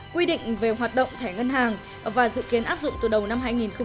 quy định về hoạt động thẻ ngân hàng và dự kiến áp dụng từ đầu năm hai nghìn hai mươi